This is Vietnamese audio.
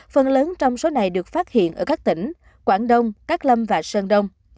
phần lớn trong số này được phát hiện ở các tỉnh quảng đông các lâm và sơn đông